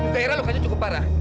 zairah lukanya cukup parah